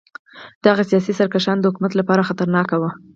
دغه سیاسي سرکښان د حکومت لپاره خطرناک وو.